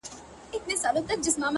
او ته خبر د کوم غریب د کور له حاله یې ـ